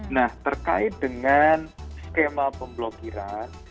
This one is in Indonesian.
nah terkait dengan skema pemblokiran